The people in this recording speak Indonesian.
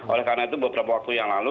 oleh karena itu beberapa waktu yang lalu